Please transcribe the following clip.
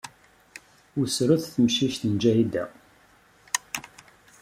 Wessret temcict n Ǧahida.